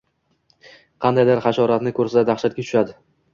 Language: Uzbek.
Qandaydir hasharotni ko‘rsa dahshatga tushadi.